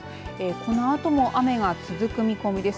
このあとも雨が続く見込みです。